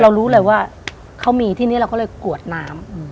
รู้เลยว่าเขามีที่นี้เราก็เลยกรวดน้ำ